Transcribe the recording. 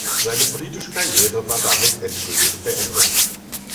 Seine politische Karriere war damit endgültig beendet.